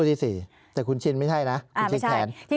ที่๔แต่คุณชินไม่ใช่นะคุณชินแทน